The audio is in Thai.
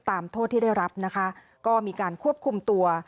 โทษที่ได้รับนะคะก็มีการควบคุมตัว